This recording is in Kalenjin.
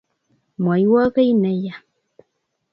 mwoiwo kei ni yaa